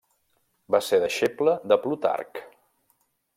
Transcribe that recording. Va ser deixeble de Plutarc.